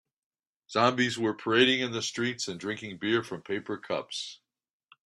Zombies were parading in the streets and drinking beer from paper cups.